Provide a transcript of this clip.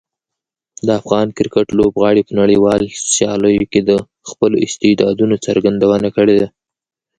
د افغان کرکټ لوبغاړي په نړیوالو سیالیو کې د خپلو استعدادونو څرګندونه کړې ده.